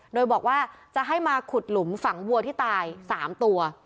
โดยบอกว่าจะให้มาขุดหลุมฝังวัวที่ตาย๓ตัว